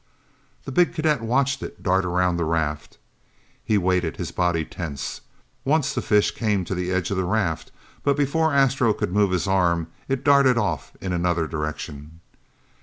The big cadet watched it dart around the raft. He waited, his body tense. Once the fish came to the edge of the raft, but before Astro could move his arm, it darted off in another direction.